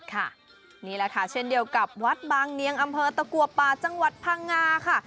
นี่แหละค่ะเช่นเดียวกับวัดบางเนียงอำเภอตะกัวป่าจังหวัดพังงาค่ะ